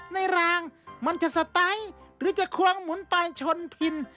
รางมันจะสไตล์หรือจะควงหมุนไปชนพิน